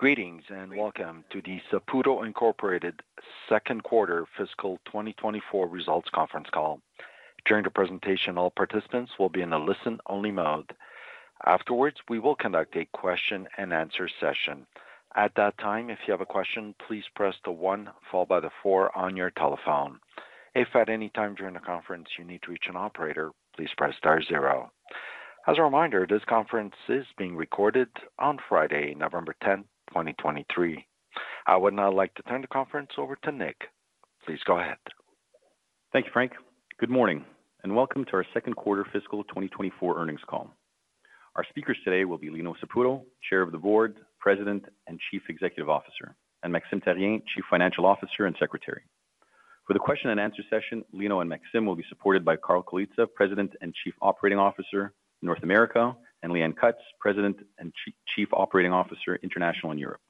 Greetings, and welcome to the Saputo Incorporated Second Quarter Fiscal 2024 Results Conference Call. During the presentation, all participants will be in a listen-only mode. Afterwards, we will conduct a question-and-answer session. At that time, if you have a question, please press the one followed by the four on your telephone. If at any time during the conference you need to reach an operator, please press star zero. As a reminder, this conference is being recorded on Friday, November 10, 2023. I would now like to turn the conference over to Nick. Please go ahead. Thank you, Frank. Good morning, and welcome to our Second Quarter Fiscal 2024 Earnings Call. Our speakers today will be Lino Saputo, Chair of the Board, President and Chief Executive Officer, and Maxime Therrien, Chief Financial Officer and Secretary. For the question-and-answer session, Lino and Maxime will be supported by Carl Colizza, President and Chief Operating Officer, North America, and Leanne Cutts, President and Chief Operating Officer, International and Europe.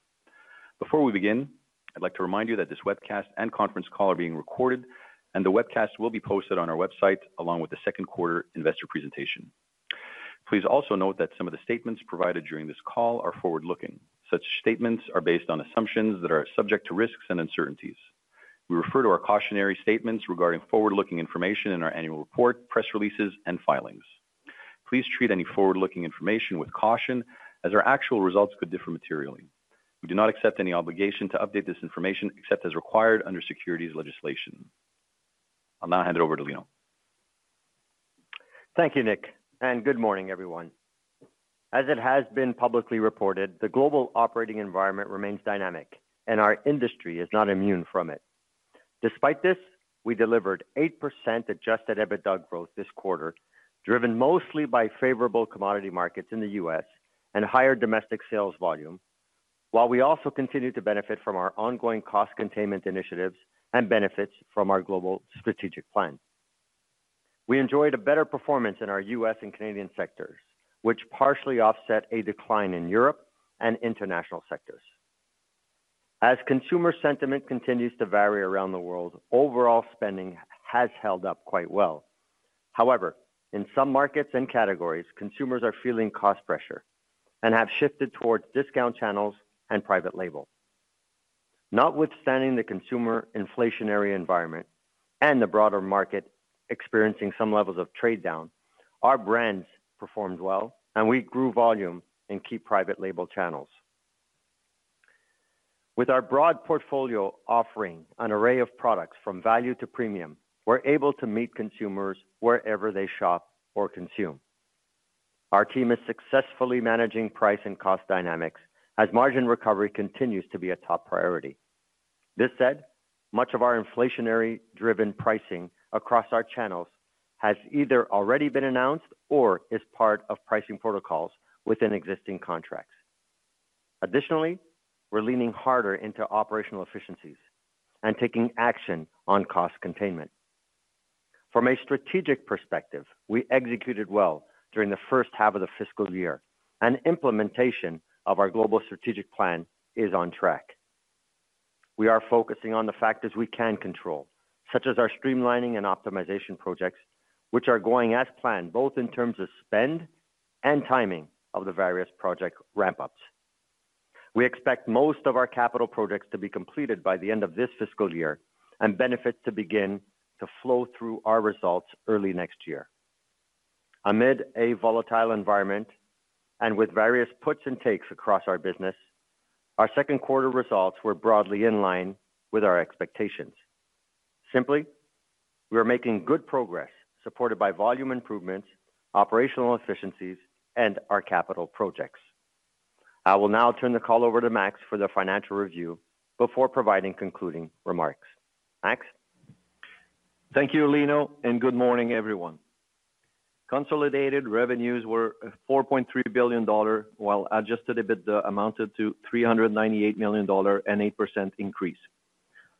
Before we begin, I'd like to remind you that this webcast and conference call are being recorded, and the webcast will be posted on our website along with the second quarter investor presentation. Please also note that some of the statements provided during this call are forward-looking. Such statements are based on assumptions that are subject to risks and uncertainties. We refer to our cautionary statements regarding forward-looking information in our annual report, press releases, and filings. Please treat any forward-looking information with caution as our actual results could differ materially. We do not accept any obligation to update this information except as required under securities legislation. I'll now hand it over to Lino. Thank you, Nick, and good morning, everyone. As it has been publicly reported, the global operating environment remains dynamic, and our industry is not immune from it. Despite this, we delivered 8% adjusted EBITDA growth this quarter, driven mostly by favorable commodity markets in the U.S. and higher domestic sales volume, while we also continued to benefit from our ongoing cost containment initiatives and benefits from our Global Strategic Plan. We enjoyed a better performance in our U.S. and Canadian sectors, which partially offset a decline in Europe and International sectors. As consumer sentiment continues to vary around the world, overall spending has held up quite well. However, in some markets and categories, consumers are feeling cost pressure and have shifted towards discount channels and private label. Notwithstanding the consumer inflationary environment and the broader market experiencing some levels of trade down, our brands performed well, and we grew volume in key private label channels. With our broad portfolio offering an array of products from value to premium, we're able to meet consumers wherever they shop or consume. Our team is successfully managing price and cost dynamics as margin recovery continues to be a top priority. This said, much of our inflationary-driven pricing across our channels has either already been announced or is part of pricing protocols within existing contracts. Additionally, we're leaning harder into operational efficiencies and taking action on cost containment. From a strategic perspective, we executed well during the first half of the fiscal year, and implementation of our Global Strategic Plan is on track. We are focusing on the factors we can control, such as our streamlining and optimization projects, which are going as planned, both in terms of spend and timing of the various project ramp-ups. We expect most of our capital projects to be completed by the end of this fiscal year and benefits to begin to flow through our results early next year. Amid a volatile environment and with various puts and takes across our business, our second quarter results were broadly in line with our expectations. Simply, we are making good progress, supported by volume improvements, operational efficiencies, and our capital projects. I will now turn the call over to Max for the financial review before providing concluding remarks. Max? Thank you, Lino, and good morning, everyone. Consolidated revenues were 4.3 billion dollar, while adjusted EBITDA amounted to 398 million dollar, an 8% increase.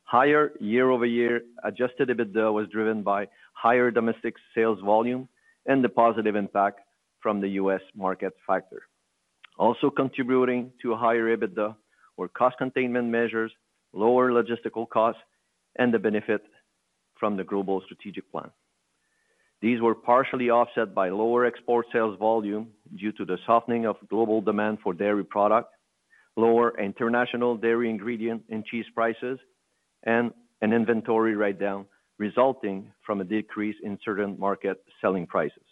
Higher year-over-year adjusted EBITDA was driven by higher domestic sales volume and the positive impact from the U.S. market factor. Also contributing to a higher EBITDA were cost containment measures, lower logistical costs, and the benefit from the Global Strategic Plan. These were partially offset by lower export sales volume due to the softening of global demand for dairy products, lower international dairy ingredient and cheese prices, and an inventory write-down resulting from a decrease in certain market selling prices.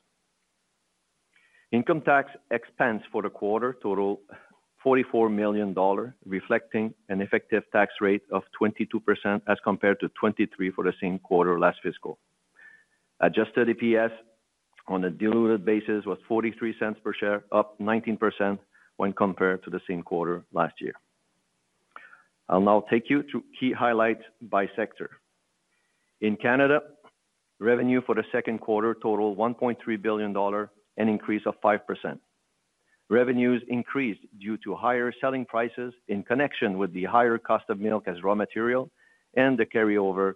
Income tax expense for the quarter totaled 44 million dollar, reflecting an effective tax rate of 22% as compared to 23% for the same quarter last fiscal. Adjusted EPS on a diluted basis was 0.43 per share, up 19% when compared to the same quarter last year. I'll now take you through key highlights by sector. In Canada, revenue for the second quarter totaled 1.3 billion dollar, an increase of 5%. Revenues increased due to higher selling prices in connection with the higher cost of milk as raw material and the carryover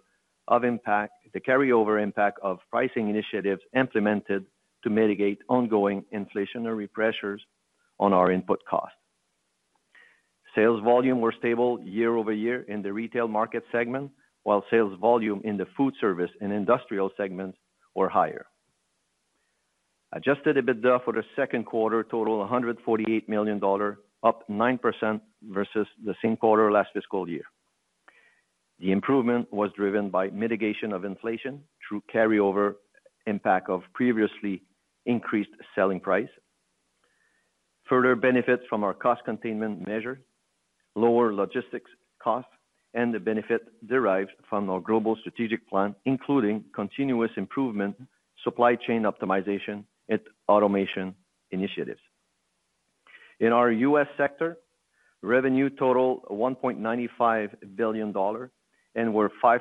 impact of pricing initiatives implemented to mitigate ongoing inflationary pressures on our input costs. Sales volume were stable year-over-year in the retail market segment, while sales volume in the foodservice and industrial segments were higher. Adjusted EBITDA for the second quarter totaled 148 million dollars, up 9% versus the same quarter last fiscal year. The improvement was driven by mitigation of inflation through carryover impact of previously increased selling price, further benefits from our cost containment measure, lower logistics costs, and the benefit derived from our Global Strategic Plan, including continuous improvement, supply chain optimization, and automation initiatives. In our U.S. sector, revenue total $1.95 billion, and we're 5%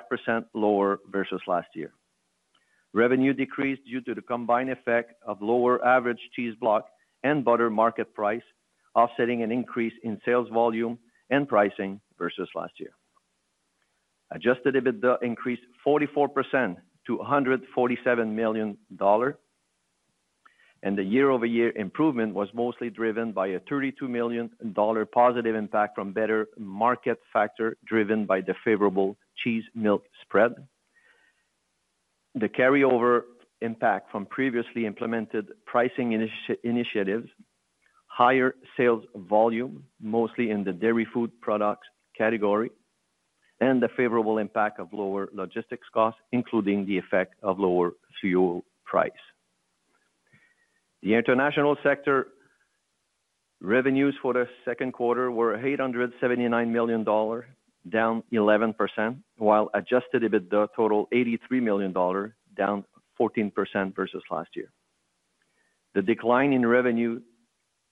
lower versus last year. Revenue decreased due to the combined effect of lower average cheese block and butter market price, offsetting an increase in sales volume and pricing versus last year. Adjusted EBITDA increased 44% to $147 million, and the year-over-year improvement was mostly driven by a $32 million positive impact from better market factor, driven by the favorable cheese-milk spread. The carryover impact from previously implemented pricing initiatives, higher sales volume, mostly in the dairy food products category, and the favorable impact of lower logistics costs, including the effect of lower fuel price. The International sector revenues for the second quarter were 879 million dollars, down 11%, while adjusted EBITDA totaled 83 million dollars, down 14% versus last year. The decline in revenue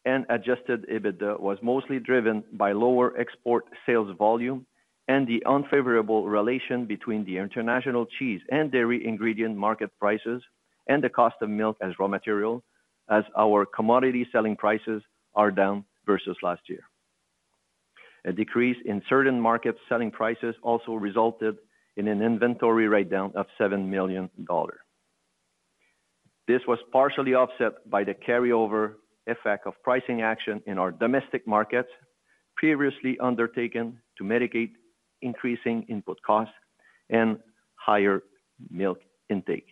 and adjusted EBITDA was mostly driven by lower export sales volume and the unfavorable relation between the international cheese and dairy ingredient market prices and the cost of milk as raw material, as our commodity selling prices are down versus last year. A decrease in certain market selling prices also resulted in an inventory write down of 7 million dollars. This was partially offset by the carryover effect of pricing action in our domestic markets, previously undertaken to mitigate increasing input costs and higher milk intake.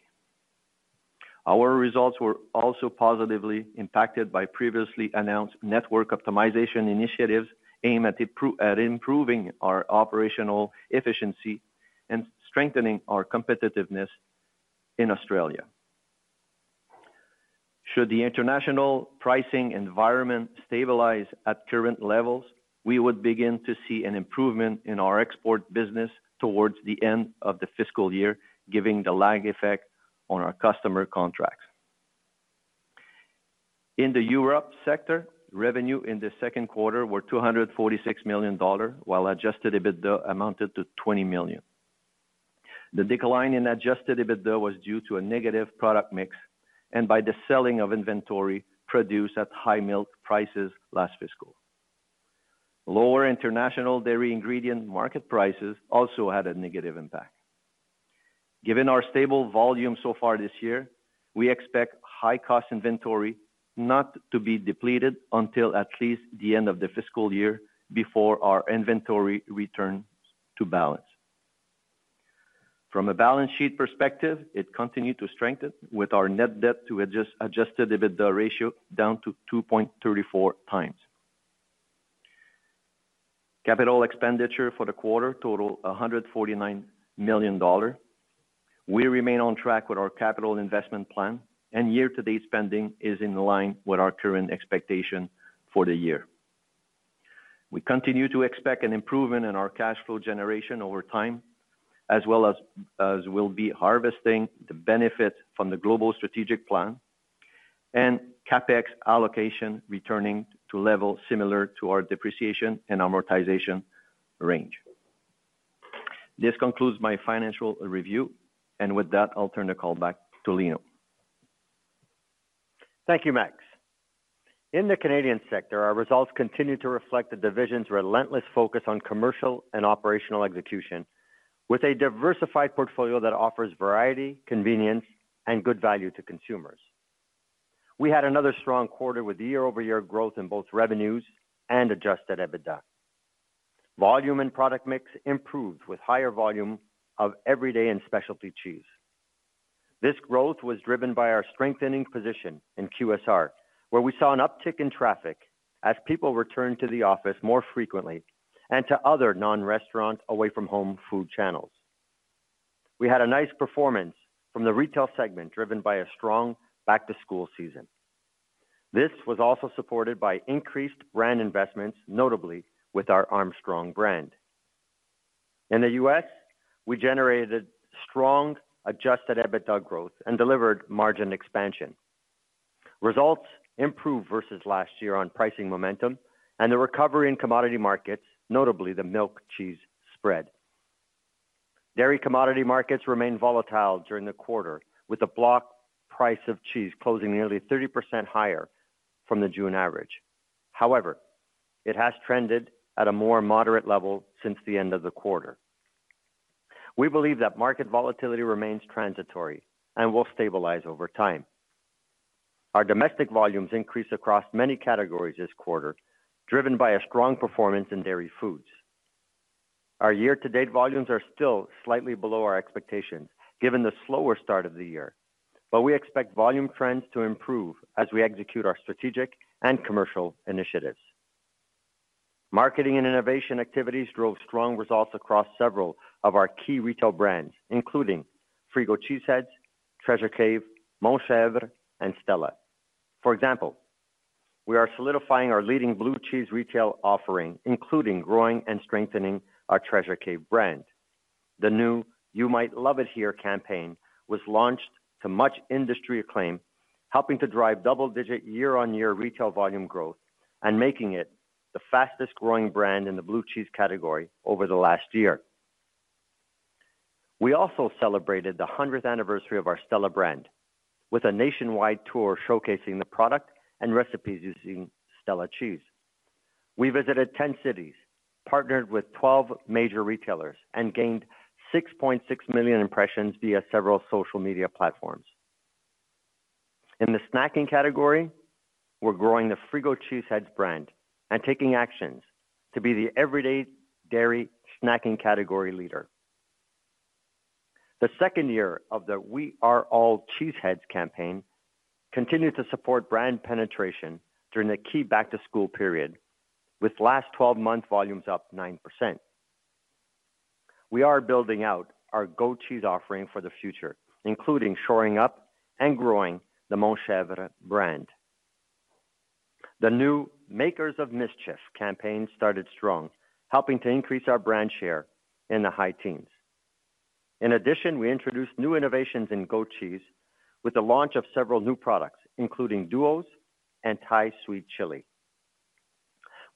Our results were also positively impacted by previously announced network optimization initiatives aimed at improving our operational efficiency and strengthening our competitiveness in Australia. Should the international pricing environment stabilize at current levels, we would begin to see an improvement in our export business towards the end of the fiscal year, giving the lag effect on our customer contracts. In the Europe sector, revenue in the second quarter were CAD 246 million, while adjusted EBITDA amounted to CAD 20 million. The decline in adjusted EBITDA was due to a negative product mix and by the selling of inventory produced at high milk prices last fiscal. Lower International dairy ingredient market prices also had a negative impact. Given our stable volume so far this year, we expect high-cost inventory not to be depleted until at least the end of the fiscal year before our inventory returns to balance. From a balance sheet perspective, it continued to strengthen with our net debt to adjusted EBITDA ratio down to 2.34x. Capital expenditure for the quarter totaled 149 million dollar. We remain on track with our capital investment plan, and year-to-date spending is in line with our current expectation for the year. We continue to expect an improvement in our cash flow generation over time, as well as we'll be harvesting the benefit from the Global Strategic Plan and CapEx allocation returning to levels similar to our depreciation and amortization range. This concludes my financial review, and with that, I'll turn the call back to Lino. Thank you, Max. In the Canadian sector, our results continue to reflect the division's relentless focus on commercial and operational execution, with a diversified portfolio that offers variety, convenience, and good value to consumers. We had another strong quarter with year-over-year growth in both revenues and adjusted EBITDA. Volume and product mix improved with higher volume of everyday and specialty cheese. This growth was driven by our strengthening position in QSR, where we saw an uptick in traffic as people returned to the office more frequently and to other non-restaurant, away-from-home food channels. We had a nice performance from the retail segment, driven by a strong back-to-school season. This was also supported by increased brand investments, notably with our Armstrong brand. In the U.S., we generated strong adjusted EBITDA growth and delivered margin expansion. Results improved versus last year on pricing momentum and the recovery in commodity markets, notably the milk-cheese spread. Dairy commodity markets remained volatile during the quarter, with the block price of cheese closing nearly 30% higher from the June average. However, it has trended at a more moderate level since the end of the quarter. We believe that market volatility remains transitory and will stabilize over time. Our domestic volumes increased across many categories this quarter, driven by a strong performance in dairy foods. Our year-to-date volumes are still slightly below our expectations, given the slower start of the year, but we expect volume trends to improve as we execute our strategic and commercial initiatives. Marketing and innovation activities drove strong results across several of our key retail brands, including Frigo Cheese Heads, Treasure Cave, Montchevre, and Stella. For example, we are solidifying our leading blue cheese retail offering, including growing and strengthening our Treasure Cave brand. The new You Might Love It Here campaign was launched to much industry acclaim, helping to drive double-digit year-on-year retail volume growth and making it the fastest-growing brand in the blue cheese category over the last year. We also celebrated the 100th anniversary of our Stella brand with a nationwide tour showcasing the product and recipes using Stella cheese. We visited 10 cities, partnered with 12 major retailers, and gained 6.6 million impressions via several social media platforms. In the snacking category, we're growing the Frigo Cheese Heads brand and taking actions to be the everyday dairy snacking category leader. The second year of the We Are All Cheese Heads campaign continued to support brand penetration during the key back-to-school period, with last 12-month volumes up 9%. We are building out our goat cheese offering for the future, including shoring up and growing the Montchevre brand. The new Makers of Mischief campaign started strong, helping to increase our brand share in the high teens. In addition, we introduced new innovations in goat cheese with the launch of several new products, including Duos and Thai Sweet Chili.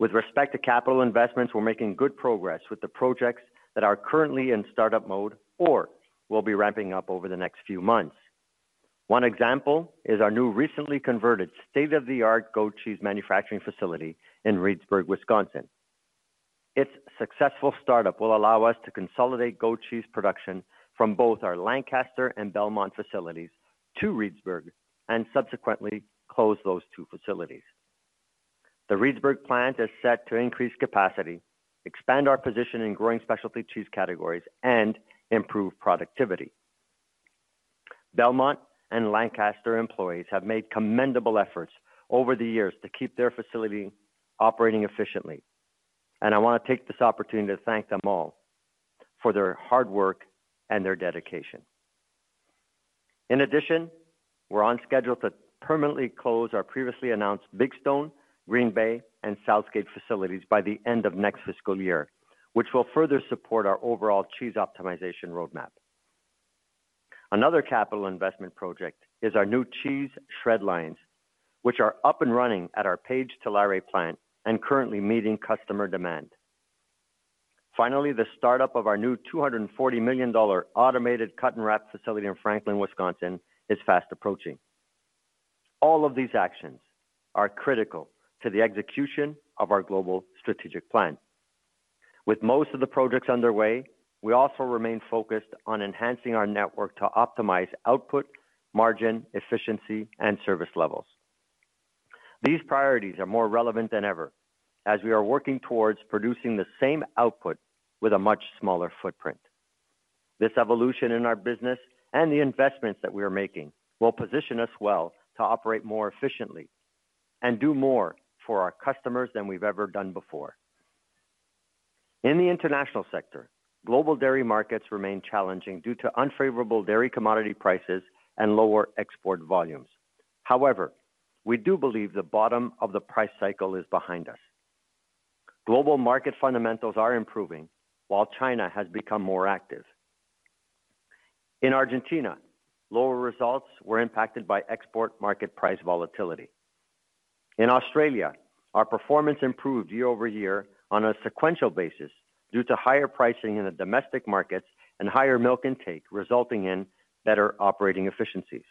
With respect to capital investments, we're making good progress with the projects that are currently in startup mode or will be ramping up over the next few months. One example is our new, recently converted state-of-the-art goat cheese manufacturing facility in Reedsburg, Wisconsin. Its successful startup will allow us to consolidate goat cheese production from both our Lancaster and Belmont facilities to Reedsburg and subsequently close those two facilities. The Reedsburg plant is set to increase capacity, expand our position in growing specialty cheese categories, and improve productivity. Belmont and Lancaster employees have made commendable efforts over the years to keep their facility operating efficiently, and I want to take this opportunity to thank them all for their hard work and their dedication. In addition, we're on schedule to permanently close our previously announced Big Stone, Green Bay, and South Gate facilities by the end of next fiscal year, which will further support our overall cheese optimization roadmap. Another capital investment project is our new cheese shred lines, which are up and running at our Paige, Tulare plant and currently meeting customer demand. Finally, the startup of our new $240 million automated cut and wrap facility in Franklin, Wisconsin, is fast approaching. All of these actions are critical to the execution of our Global Strategic Plan. With most of the projects underway, we also remain focused on enhancing our network to optimize output, margin, efficiency, and service levels. These priorities are more relevant than ever as we are working towards producing the same output with a much smaller footprint. This evolution in our business and the investments that we are making will position us well to operate more efficiently and do more for our customers than we've ever done before. In the international sector, global dairy markets remain challenging due to unfavorable dairy commodity prices and lower export volumes. However, we do believe the bottom of the price cycle is behind us. Global market fundamentals are improving, while China has become more active. In Argentina, lower results were impacted by export market price volatility. In Australia, our performance improved year-over-year on a sequential basis due to higher pricing in the domestic markets and higher milk intake, resulting in better operating efficiencies.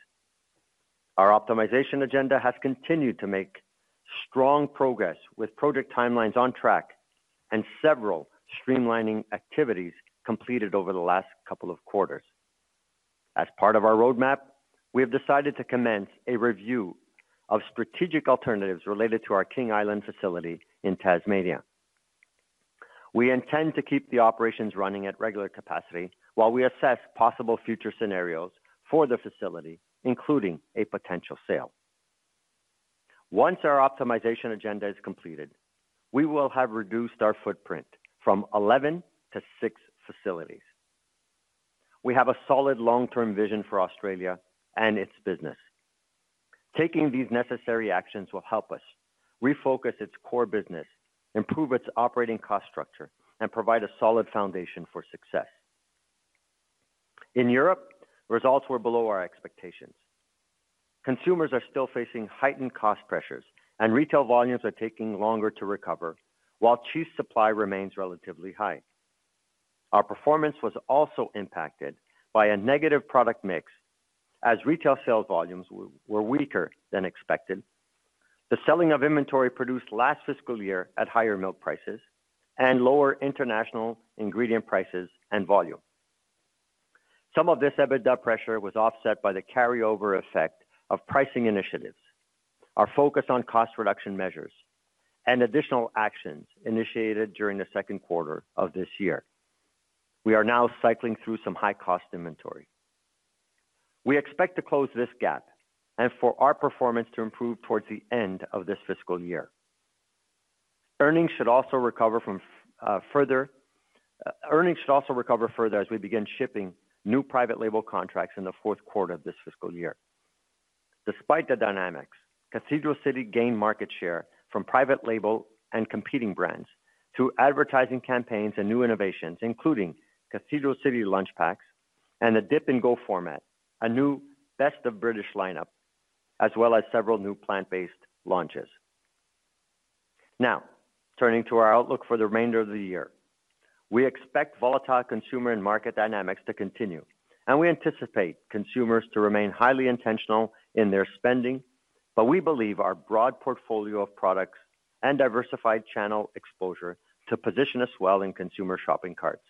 Our optimization agenda has continued to make strong progress with project timelines on track and several streamlining activities completed over the last couple of quarters. As part of our roadmap, we have decided to commence a review of strategic alternatives related to our King Island facility in Tasmania. We intend to keep the operations running at regular capacity while we assess possible future scenarios for the facility, including a potential sale. Once our optimization agenda is completed, we will have reduced our footprint from 11 to six facilities. We have a solid long-term vision for Australia and its business. Taking these necessary actions will help us refocus its core business, improve its operating cost structure, and provide a solid foundation for success. In Europe, results were below our expectations. Consumers are still facing heightened cost pressures and retail volumes are taking longer to recover, while cheese supply remains relatively high. Our performance was also impacted by a negative product mix, as retail sales volumes were weaker than expected, the selling of inventory produced last fiscal year at higher milk prices, and lower international ingredient prices and volume. Some of this EBITDA pressure was offset by the carryover effect of pricing initiatives, our focus on cost reduction measures, and additional actions initiated during the second quarter of this year. We are now cycling through some high-cost inventory. We expect to close this gap and for our performance to improve towards the end of this fiscal year. Earnings should also recover further as we begin shipping new private label contracts in the fourth quarter of this fiscal year. Despite the dynamics, Cathedral City gained market share from private label and competing brands through advertising campaigns and new innovations, including Cathedral City lunch packs and the Dip & Go format, a new Best of British lineup, as well as several new plant-based launches. Now, turning to our outlook for the remainder of the year. We expect volatile consumer and market dynamics to continue, and we anticipate consumers to remain highly intentional in their spending, but we believe our broad portfolio of products and diversified channel exposure to position us well in consumer shopping carts.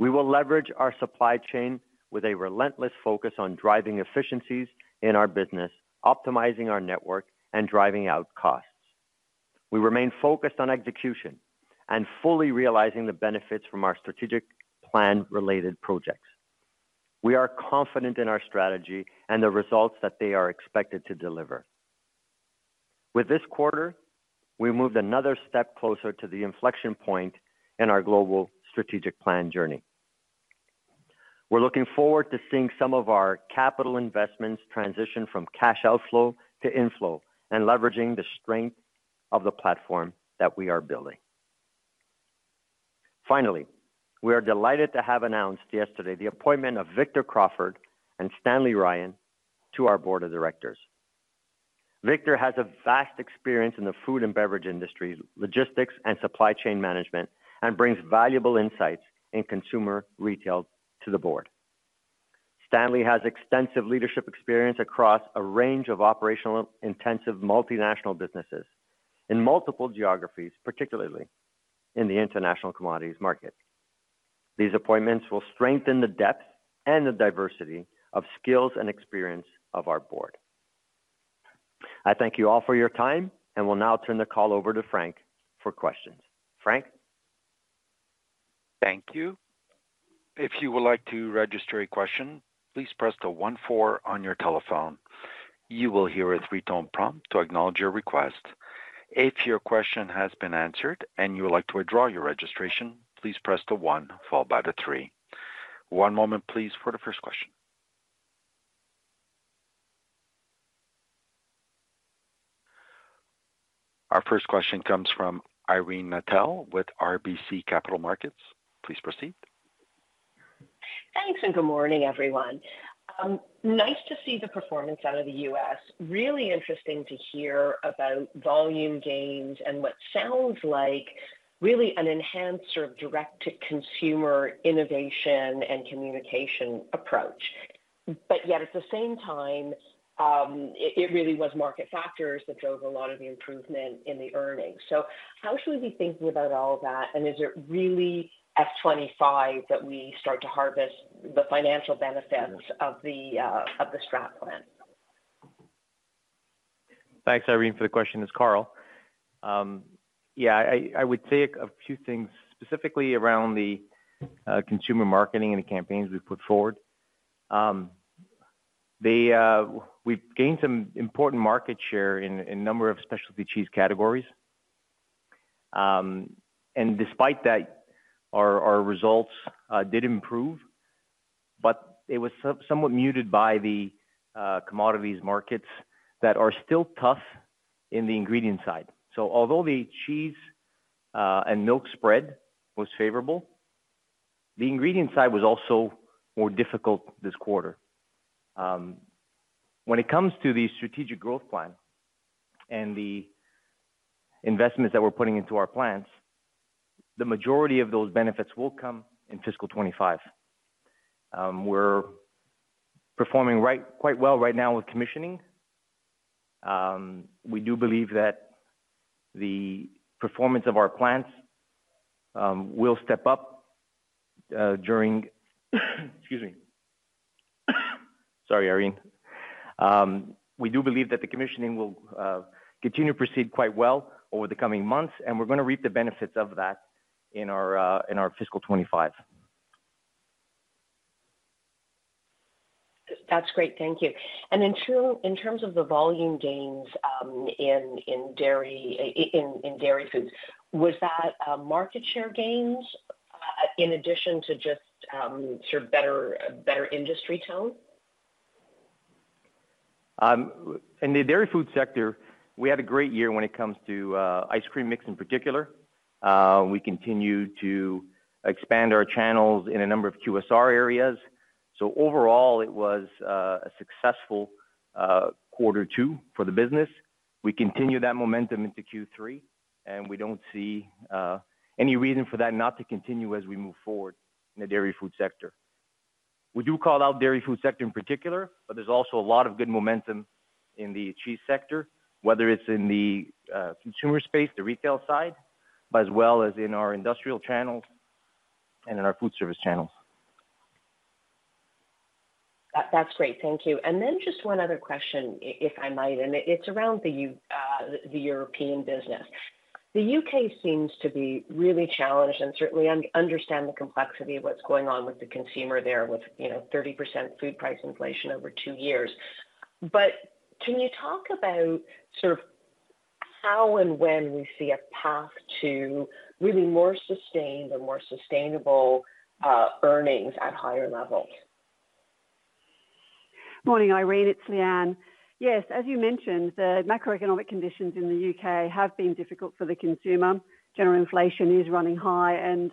We will leverage our supply chain with a relentless focus on driving efficiencies in our business, optimizing our network, and driving out costs. We remain focused on execution and fully realizing the benefits from our strategic plan-related projects. We are confident in our strategy and the results that they are expected to deliver. With this quarter, we moved another step closer to the inflection point in our Global Strategic Plan. We're looking forward to seeing some of our capital investments transition from cash outflow to inflow and leveraging the strength of the platform that we are building. Finally, we are delighted to have announced yesterday the appointment of Victor Crawford and Stanley Ryan to our board of directors. Victor has a vast experience in the food and beverage industry, logistics and supply chain management, and brings valuable insights in consumer retail to the board. Stanley has extensive leadership experience across a range of operational, intensive, multinational businesses in multiple geographies, particularly in the international commodities market. These appointments will strengthen the depth and the diversity of skills and experience of our board. I thank you all for your time and will now turn the call over to Frank for questions. Frank? Thank you. If you would like to register a question, please press the one-four on your telephone. You will hear a three-tone prompt to acknowledge your request. If your question has been answered and you would like to withdraw your registration, please press the one followed by the three. One moment, please, for the first question. Our first question comes from Irene Nattel with RBC Capital Markets. Please proceed. Thanks, and good morning, everyone. Nice to see the performance out of the U.S. Really interesting to hear about volume gains and what sounds like really an enhanced sort of direct-to-consumer innovation and communication approach. But yet, at the same time, it really was market factors that drove a lot of the improvement in the earnings. So how should we be thinking about all of that, and is it really FY 2025 that we start to harvest the financial benefits of the strat plan? Thanks, Irene, for the question. It's Carl. Yeah, I would say a few things specifically around the consumer marketing and the campaigns we've put forward. We've gained some important market share in a number of specialty cheese categories. And despite that, our results did improve, but it was somewhat muted by the commodities markets that are still tough in the ingredient side. So although the cheese and milk spread was favorable, the ingredient side was also more difficult this quarter. When it comes to the strategic growth plan and the investments that we're putting into our plants, the majority of those benefits will come in fiscal 2025. We're performing right now quite well with commissioning. We do believe that the performance of our plants will step up during, excuse me. Sorry, Irene. We do believe that the commissioning will continue to proceed quite well over the coming months, and we're going to reap the benefits of that in our fiscal 2025. That's great. Thank you. And in terms of the volume gains in dairy foods, was that market share gains in addition to just sort of better industry tone? In the dairy food sector, we had a great year when it comes to ice cream mix in particular. We continued to expand our channels in a number of QSR areas. So overall, it was a successful quarter two for the business. We continue that momentum into Q3, and we don't see any reason for that not to continue as we move forward in the dairy food sector. We do call out dairy food sector in particular, but there's also a lot of good momentum in the cheese sector, whether it's in the consumer space, the retail side, as well as in our industrial channels and in our food service channels. That's great. Thank you. And then just one other question, if I might, and it, it's around the European business. The U.K. seems to be really challenged, and certainly understand the complexity of what's going on with the consumer there with, you know, 30% food price inflation over two years. But can you talk about sort of how and when we see a path to really more sustained and more sustainable, earnings at higher levels? Morning, Irene, it's Leanne. Yes, as you mentioned, the macroeconomic conditions in the U.K. have been difficult for the consumer. General inflation is running high, and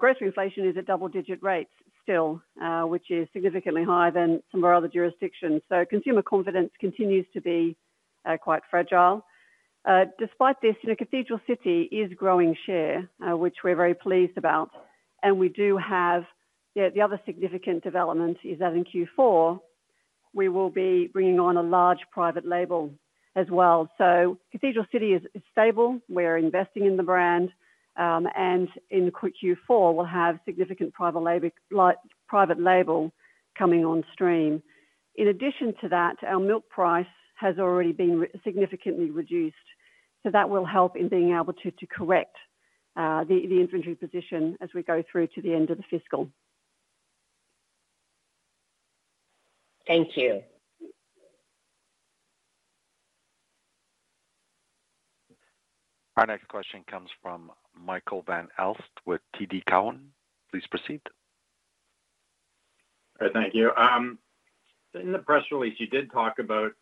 grocery inflation is at double-digit rates still, which is significantly higher than some of our other jurisdictions. So consumer confidence continues to be quite fragile. Despite this, you know, Cathedral City is growing share, which we're very pleased about, and we do have... The other significant development is that in Q4, we will be bringing on a large private label as well. So Cathedral City is stable. We're investing in the brand, and in Q4, we'll have significant private label coming on stream. In addition to that, our milk price has already been significantly reduced, so that will help in being able to correct the inventory position as we go through to the end of the fiscal. Thank you. Our next question comes from Michael Van Aelst with TD Cowen. Please proceed. All right, thank you. In the press release, you did talk about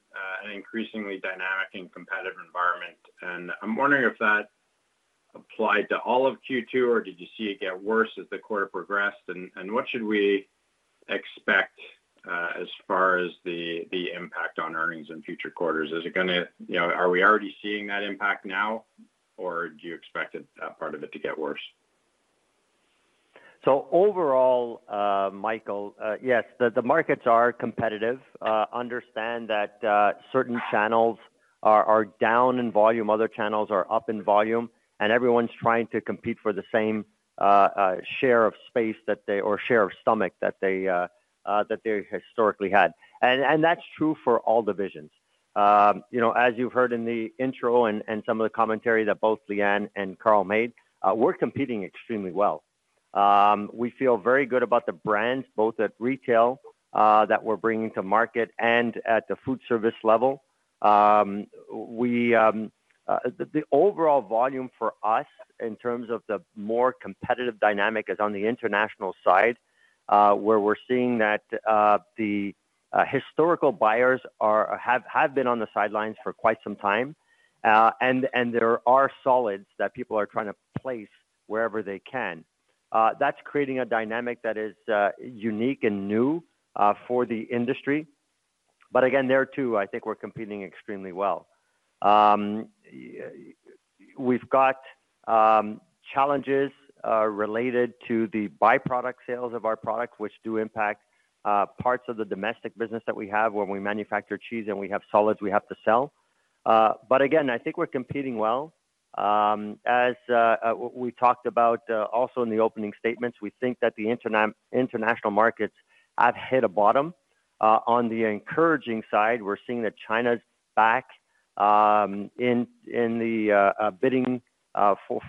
an increasingly dynamic and competitive environment, and I'm wondering if that applied to all of Q2, or did you see it get worse as the quarter progressed? And what should we expect as far as the impact on earnings in future quarters? Is it gonna... You know, are we already seeing that impact now, or do you expect that part of it to get worse? So overall, Michael, yes, the markets are competitive. Understand that certain channels are down in volume, other channels are up in volume, and everyone's trying to compete for the same share of space that they, or share of stomach, that they that they historically had. And that's true for all divisions. You know, as you've heard in the intro and some of the commentary that both Leanne and Carl made, we're competing extremely well. We feel very good about the brands, both at retail that we're bringing to market and at the food service level. The overall volume for us, in terms of the more competitive dynamic, is on the International side, where we're seeing that the historical buyers have been on the sidelines for quite some time, and there are solids that people are trying to place wherever they can. That's creating a dynamic that is unique and new for the industry. But again, there, too, I think we're competing extremely well. We've got challenges related to the byproduct sales of our products, which do impact parts of the domestic business that we have, where we manufacture cheese, and we have solids we have to sell. But again, I think we're competing well. As we talked about also in the opening statements, we think that the international markets have hit a bottom. On the encouraging side, we're seeing that China's back in the bidding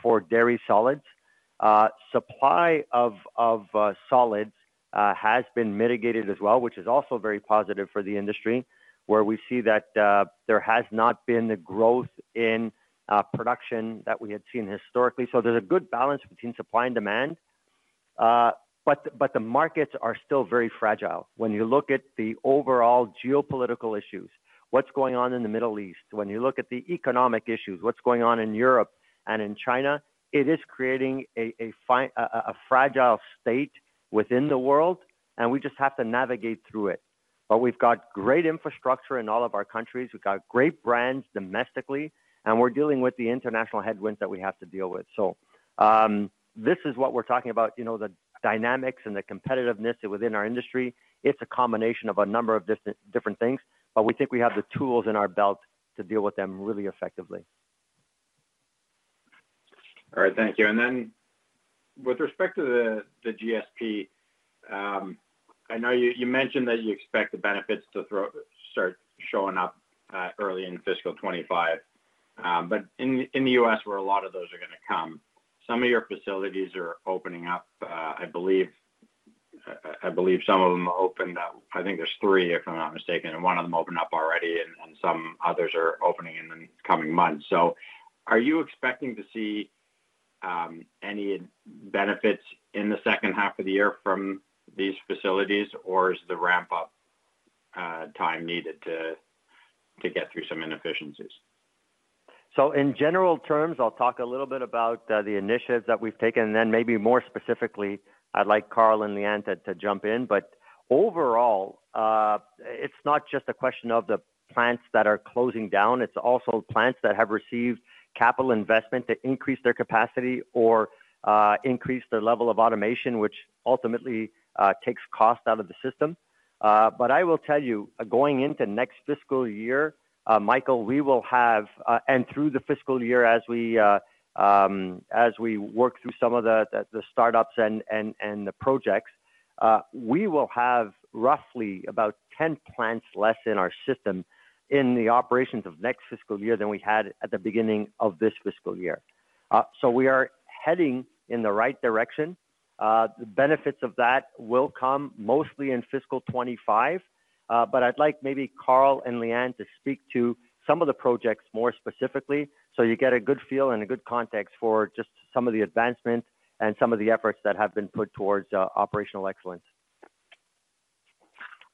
for dairy solids. Supply of solids has been mitigated as well, which is also very positive for the industry, where we see that there has not been the growth in production that we had seen historically. So there's a good balance between supply and demand. But the markets are still very fragile. When you look at the overall geopolitical issues, what's going on in the Middle East, when you look at the economic issues, what's going on in Europe and in China, it is creating a fragile state within the world, and we just have to navigate through it. But we've got great infrastructure in all of our countries. We've got great brands domestically, and we're dealing with the international headwinds that we have to deal with. So, this is what we're talking about, you know, the dynamics and the competitiveness within our industry. It's a combination of a number of different, different things, but we think we have the tools in our belt to deal with them really effectively. All right, thank you. Then, with respect to the GSP, I know you mentioned that you expect the benefits to start showing up early in fiscal 2025. But in the U.S., where a lot of those are gonna come, some of your facilities are opening up. I believe some of them opened up. I think there's three, if I'm not mistaken, and one of them opened up already, and some others are opening in the coming months. So are you expecting to see any benefits in the second half of the year from these facilities, or is the ramp up time needed to get through some inefficiencies? So in general terms, I'll talk a little bit about the initiatives that we've taken, and then maybe more specifically, I'd like Carl and Leanne to jump in. But overall, it's not just a question of the plants that are closing down, it's also plants that have received capital investment to increase their capacity or increase their level of automation, which ultimately takes cost out of the system... But I will tell you, going into next fiscal year, Michael, we will have, and through the fiscal year, as we work through some of the startups and the projects, we will have roughly about 10 plants less in our system in the operations of next fiscal year than we had at the beginning of this fiscal year. So we are heading in the right direction. The benefits of that will come mostly in fiscal 2025, but I'd like maybe Carl and Leanne to speak to some of the projects more specifically, so you get a good feel and a good context for just some of the advancements and some of the efforts that have been put towards operational excellence.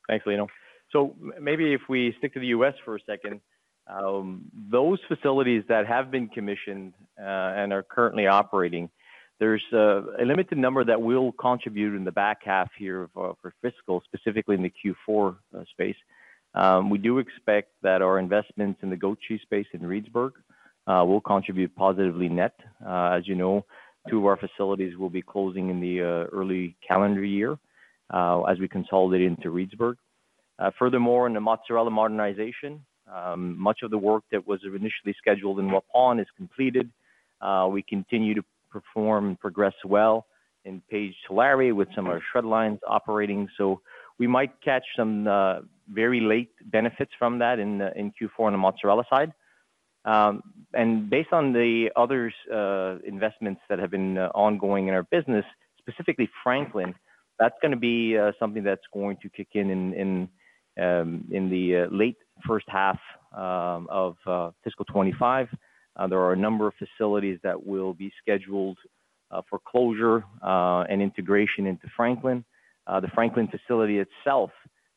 Thanks, Lino. So maybe if we stick to the U.S. for a second, those facilities that have been commissioned, and are currently operating, there's a limited number that will contribute in the back half here for fiscal, specifically in the Q4 space. We do expect that our investments in the goat cheese space in Reedsburg will contribute positively net. As you know, two of our facilities will be closing in the early calendar year, as we consolidate into Reedsburg. Furthermore, in the mozzarella modernization, much of the work that was initially scheduled in Waupun is completed. We continue to perform and progress well in Paige, Tulare, with some of our shred lines operating. So we might catch some very late benefits from that in Q4 on the mozzarella side. And based on the others, investments that have been ongoing in our business, specifically Franklin, that's gonna be something that's going to kick in in the late first half of fiscal 2025. There are a number of facilities that will be scheduled for closure and integration into Franklin. The Franklin facility itself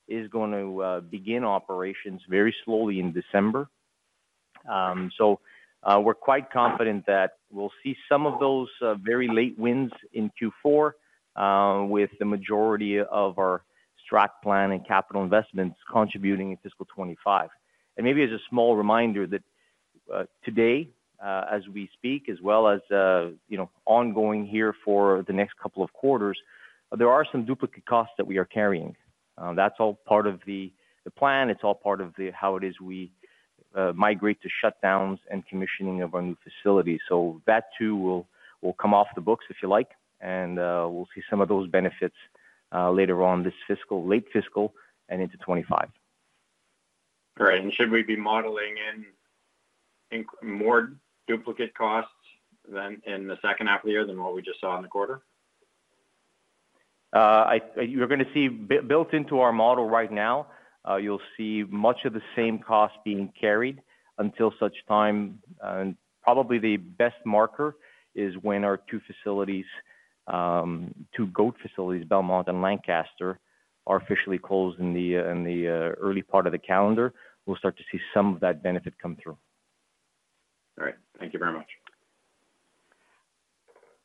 is going to begin operations very slowly in December. So, we're quite confident that we'll see some of those very late wins in Q4, with the majority of our strat plan and capital investments contributing in fiscal 2025. And maybe as a small reminder that, today, as we speak, as well as, you know, ongoing here for the next couple of quarters, there are some duplicate costs that we are carrying. That's all part of the plan, it's all part of the, how it is we migrate to shutdowns and commissioning of our new facility. So that too will come off the books, if you like, and we'll see some of those benefits later on this fiscal, late fiscal and into 2025. Great. Should we be modeling in more duplicate costs than in the second half of the year than what we just saw in the quarter? You're gonna see built into our model right now, you'll see much of the same cost being carried until such time, and probably the best marker is when our two facilities, two goat facilities, Belmont and Lancaster, are officially closed in the early part of the calendar. We'll start to see some of that benefit come through. All right. Thank you very much.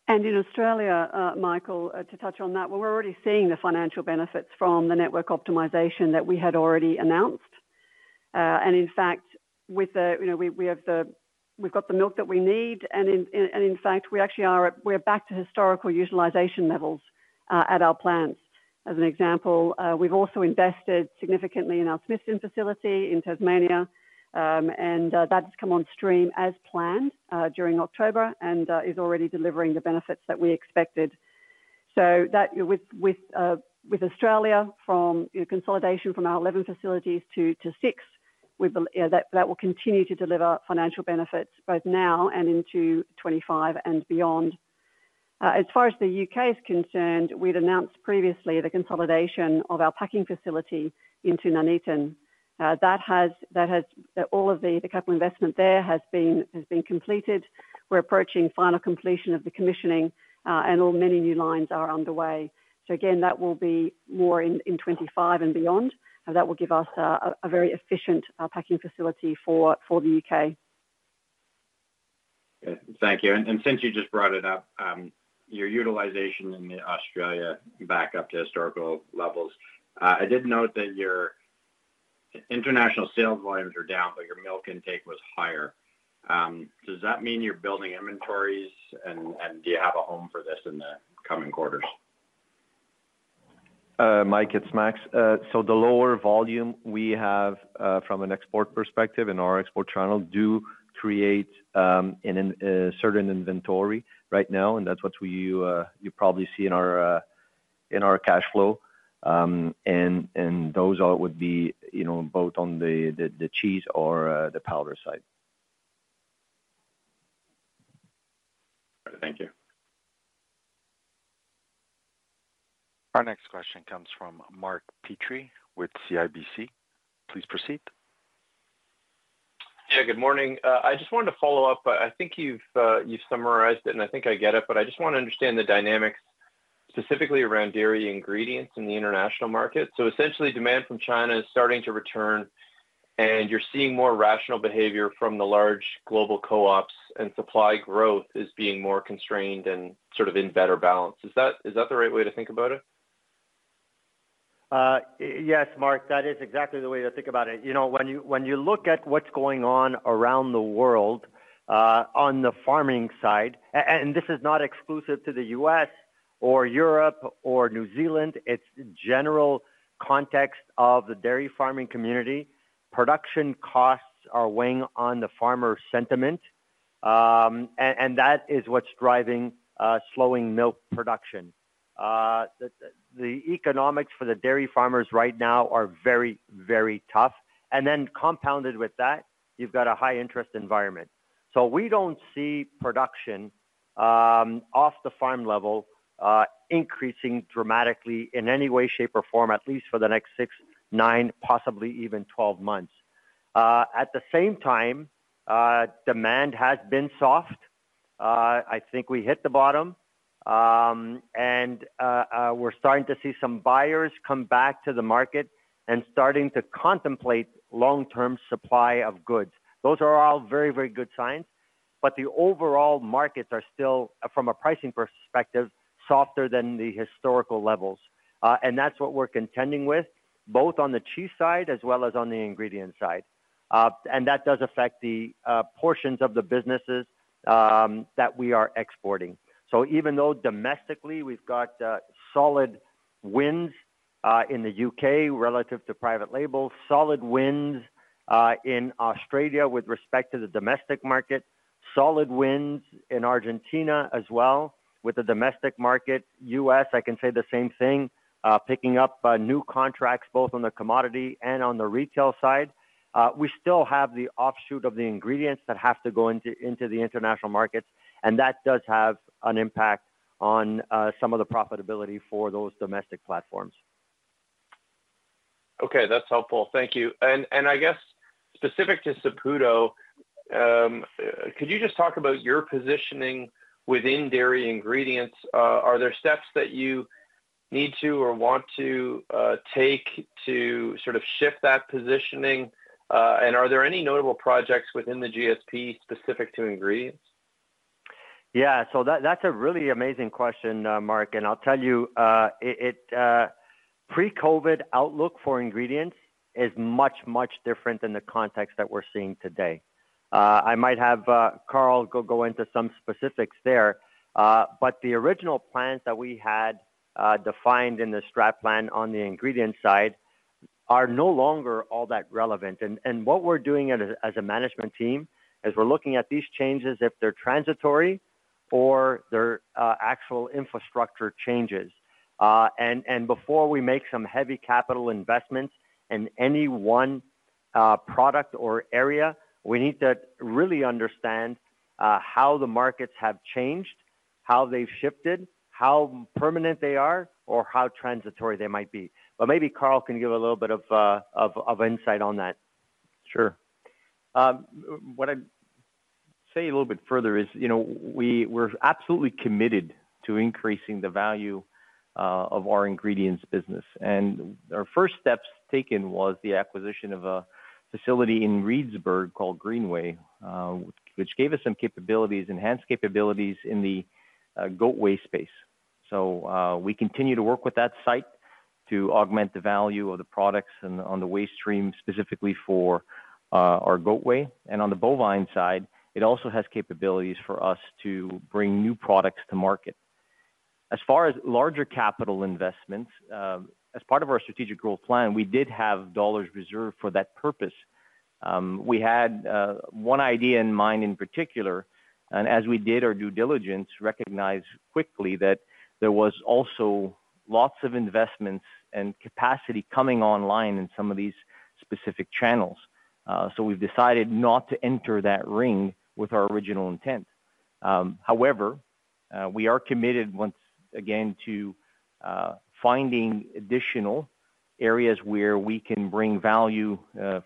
In Australia, Michael, to touch on that, well, we're already seeing the financial benefits from the network optimization that we had already announced. And in fact, with the—you know, we've got the milk that we need, and in fact, we actually are back to historical utilization levels at our plants. As an example, we've also invested significantly in our Smithton facility in Tasmania, and that's come on stream as planned during October and is already delivering the benefits that we expected. So that with the consolidation from our 11 facilities to six, that will continue to deliver financial benefits both now and into 2025 and beyond. As far as the U.K. is concerned, we'd announced previously the consolidation of our packing facility into Nuneaton. That has all of the capital investment there has been completed. We're approaching final completion of the commissioning, and all many new lines are underway. So again, that will be more in 2025 and beyond, and that will give us a very efficient packing facility for the U.K. Thank you. Since you just brought it up, your utilization in Australia is back up to historical levels. I did note that your International sales volumes are down, but your milk intake was higher. Does that mean you're building inventories, and do you have a home for this in the coming quarters? Mike, it's Max. So the lower volume we have from an export perspective in our export channel do create in a certain inventory right now, and that's what you probably see in our cash flow. And those all would be, you know, both on the cheese or the powder side. Thank you. Our next question comes from Mark Petrie with CIBC. Please proceed. Yeah, good morning. I just wanted to follow up, but I think you've, you've summarized it, and I think I get it, but I just want to understand the dynamics, specifically around dairy ingredients in the international market. So essentially, demand from China is starting to return, and you're seeing more rational behavior from the large global co-ops, and supply growth is being more constrained and sort of in better balance. Is that, is that the right way to think about it? Yes, Mark, that is exactly the way to think about it. You know, when you look at what's going on around the world on the farming side, and this is not exclusive to the U.S. or Europe or New Zealand, it's general context of the dairy farming community. Production costs are weighing on the farmer sentiment, and that is what's driving slowing milk production. The economics for the dairy farmers right now are very, very tough, and then compounded with that, you've got a high interest environment. So we don't see production off the farm level increasing dramatically in any way, shape, or form, at least for the next six, nine, possibly even 12 months. At the same time, demand has been soft. I think we hit the bottom, and we're starting to see some buyers come back to the market and starting to contemplate long-term supply of goods. Those are all very, very good signs, but the overall markets are still, from a pricing perspective, softer than the historical levels. And that's what we're contending with, both on the cheese side as well as on the ingredient side. And that does affect the portions of the businesses that we are exporting. So even though domestically we've got solid wins in the U.K. relative to private label, solid wins in Australia with respect to the domestic market, solid wins in Argentina as well with the domestic market. U.S., I can say the same thing, picking up new contracts, both on the commodity and on the retail side. We still have the offshoot of the ingredients that have to go into the international markets, and that does have an impact on some of the profitability for those domestic platforms. Okay, that's helpful. Thank you. And I guess specific to Saputo, could you just talk about your positioning within dairy ingredients? Are there steps that you need to or want to take to sort of shift that positioning? And are there any notable projects within the GSP specific to ingredients? Yeah, so that's a really amazing question, Mark, and I'll tell you, the pre-COVID outlook for ingredients is much, much different than the context that we're seeing today. I might have Carl go into some specifics there, but the original plans that we had, defined in the strat plan on the ingredient side are no longer all that relevant. And what we're doing as a management team is we're looking at these changes, if they're transitory or they're actual infrastructure changes. And before we make some heavy capital investments in any one product or area, we need to really understand how the markets have changed, how they've shifted, how permanent they are, or how transitory they might be. But maybe Carl can give a little bit of insight on that. Sure. What I'd say a little bit further is, you know, we're absolutely committed to increasing the value of our ingredients business. And our first steps taken was the acquisition of a facility in Reedsburg called Greenway, which gave us some capabilities, enhanced capabilities in the goat whey space. So, we continue to work with that site to augment the value of the products and on the whey stream, specifically for our goat whey. And on the bovine side, it also has capabilities for us to bring new products to market. As far as larger capital investments, as part of our strategic growth plan, we did have dollars reserved for that purpose. We had one idea in mind in particular, and as we did our due diligence, recognized quickly that there was also lots of investments and capacity coming online in some of these specific channels. So we've decided not to enter that ring with our original intent. However, we are committed, once again, to finding additional areas where we can bring value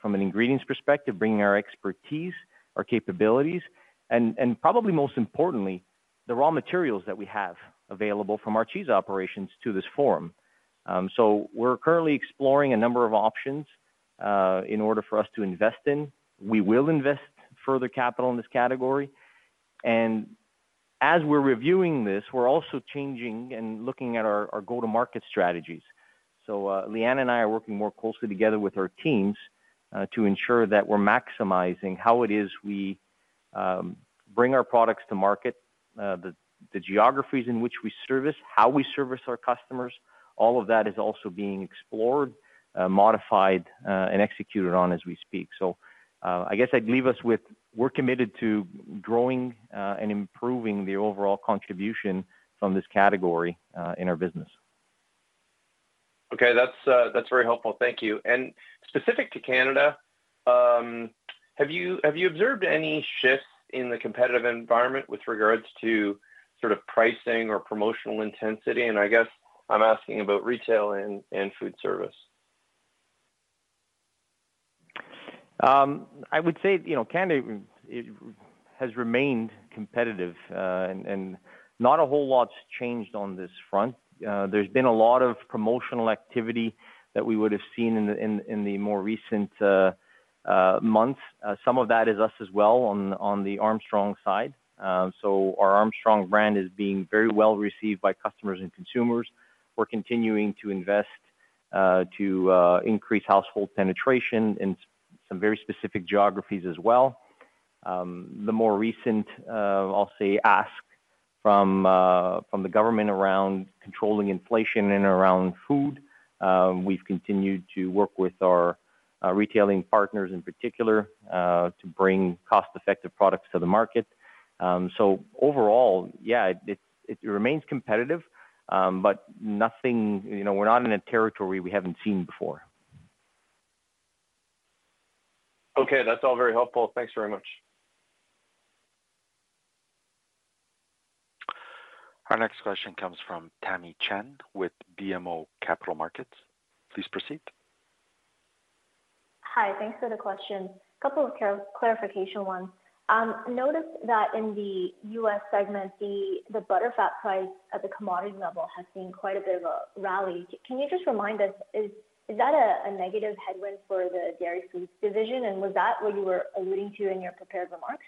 from an ingredients perspective, bringing our expertise, our capabilities, and, and probably most importantly, the raw materials that we have available from our cheese operations to this forum. So we're currently exploring a number of options in order for us to invest in. We will invest further capital in this category, and as we're reviewing this, we're also changing and looking at our, our go-to-market strategies. Leanne and I are working more closely together with our teams to ensure that we're maximizing how it is we bring our products to market, the geographies in which we service, how we service our customers. All of that is also being explored, modified, and executed on as we speak. I guess I'd leave us with, we're committed to growing and improving the overall contribution from this category in our business. Okay. That's, that's very helpful. Thank you. And specific to Canada, have you observed any shifts in the competitive environment with regards to sort of pricing or promotional intensity? And I guess I'm asking about retail and food service. I would say, you know, Canada, it has remained competitive, and not a whole lot's changed on this front. There's been a lot of promotional activity that we would have seen in the more recent months. Some of that is us as well, on the Armstrong side. So our Armstrong brand is being very well received by customers and consumers. We're continuing to invest to increase household penetration in some very specific geographies as well. The more recent, I'll say, ask from the government around controlling inflation and around food, we've continued to work with our retailing partners in particular to bring cost-effective products to the market. So overall, yeah, it remains competitive, but nothing, you know, we're not in a territory we haven't seen before. Okay, that's all very helpful. Thanks very much. Our next question comes from Tamy Chen with BMO Capital Markets. Please proceed. Hi, thanks for the question. A couple of clarification ones. Noticed that in the U.S. segment, the butterfat price at the commodity level has seen quite a bit of a rally. Can you just remind us, is that a negative headwind for the dairy food division? And was that what you were alluding to in your prepared remarks?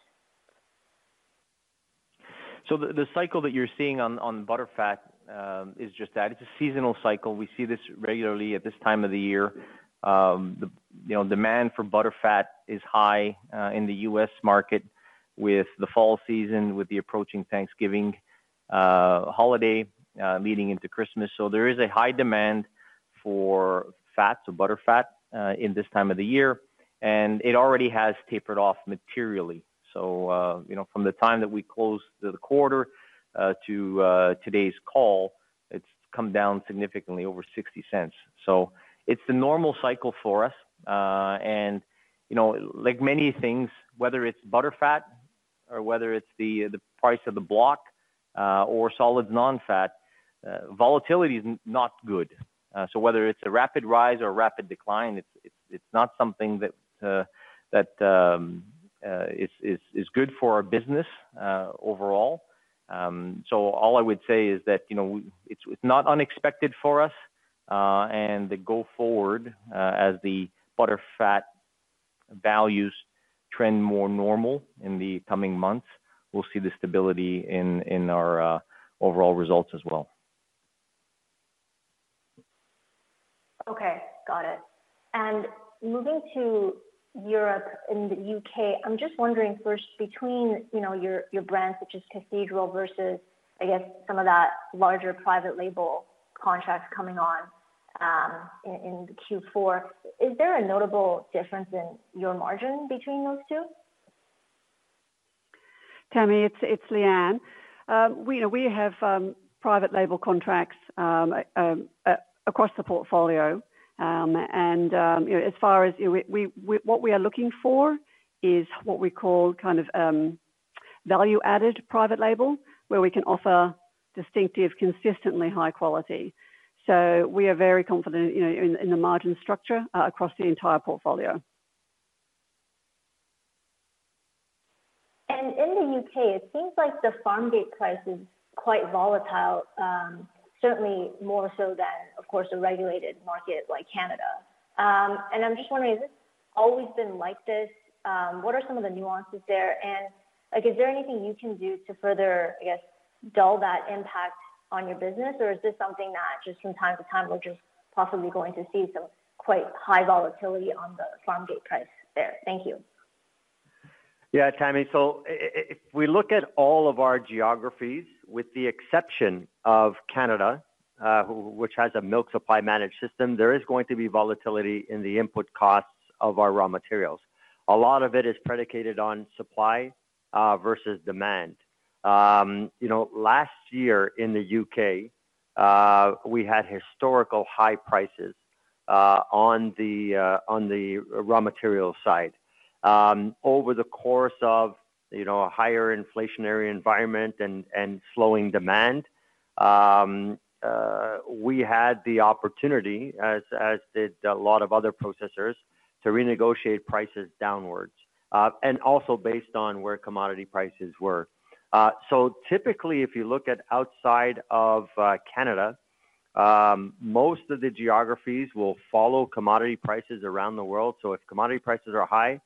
So the cycle that you're seeing on butterfat is just that, it's a seasonal cycle. We see this regularly at this time of the year. You know, demand for butterfat is high in the U.S. market with the fall season, with the approaching Thanksgiving holiday leading into Christmas. So there is a high demand for fats or butterfat in this time of the year, and it already has tapered off materially. So you know, from the time that we closed the quarter to today's call, it's come down significantly over $0.60. So it's the normal cycle for us. And you know, like many things, whether it's butterfat or whether it's the price of the block or solids non-fat, volatility is not good. So whether it's a rapid rise or a rapid decline, it's not something that is good for our business overall. So all I would say is that, you know, it's not unexpected for us, and go forward, as the butterfat values trend more normal in the coming months, we'll see the stability in our overall results as well. Okay, got it. Moving to Europe and the U.K., I'm just wondering first, between, you know, your brands, such as Cathedral versus, I guess, some of that larger private label contracts coming on, in the Q4, is there a notable difference in your margin between those two? Tamy, it's Leanne. We have private label contracts across the portfolio. You know, as far as what we are looking for is what we call kind of value-added private label, where we can offer distinctive, consistently high quality. So we are very confident, you know, in the margin structure across the entire portfolio. In the U.K., it seems like the farm gate price is quite volatile, certainly more so than, of course, a regulated market like Canada. I'm just wondering, has this always been like this? What are some of the nuances there? And, like, is there anything you can do to further, I guess, dull that impact on your business, or is this something that just from time to time, we're just possibly going to see some quite high volatility on the farm gate price there? Thank you. Yeah, Tamy. So if we look at all of our geographies, with the exception of Canada, which has a milk supply managed system, there is going to be volatility in the input costs of our raw materials. A lot of it is predicated on supply, versus demand. You know, last year in the U.K., we had historical high prices, on the raw material side. Over the course of, you know, a higher inflationary environment and slowing demand, we had the opportunity, as did a lot of other processors, to renegotiate prices downwards, and also based on where commodity prices were. So typically, if you look at outside of Canada, most of the geographies will follow commodity prices around the world. So if commodity prices are high,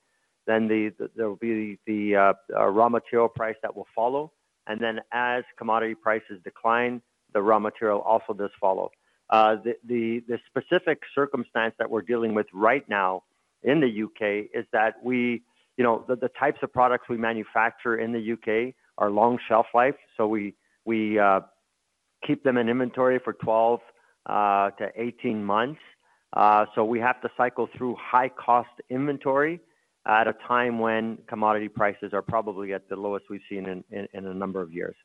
then the raw material price that will follow, and then as commodity prices decline, the raw material also does follow. The specific circumstance that we're dealing with right now in the U.K. is that the types of products we manufacture in the U.K. are long shelf life, so we keep them in inventory for 12-18 months. So we have to cycle through high-cost inventory at a time when commodity prices are probably at the lowest we've seen in a number of years.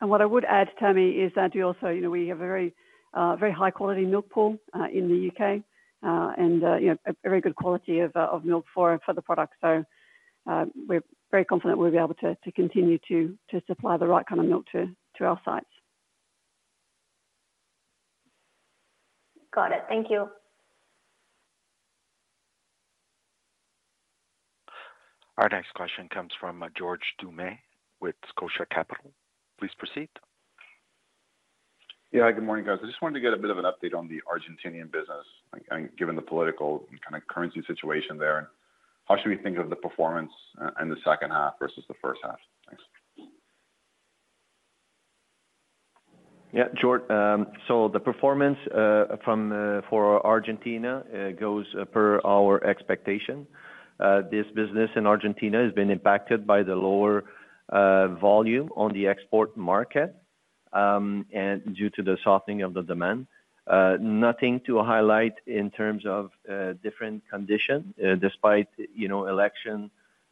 What I would add, Tamy, is that we also, you know, we have very, very high-quality milk pool in the U.K., and, you know, a very good quality of, of milk for, for the product. So, we're very confident we'll be able to continue to supply the right kind of milk to our sites. Got it. Thank you. Our next question comes from George Doumet, with Scotia Capital. Please proceed. Yeah, good morning, guys. I just wanted to get a bit of an update on the Argentinian business, and given the political kind of currency situation there, how should we think of the performance in the second half versus the first half? Thanks. Yeah, George, so the performance for Argentina goes per our expectation. This business in Argentina has been impacted by the lower volume on the export market and due to the softening of the demand. Nothing to highlight in terms of different conditions, despite, you know, election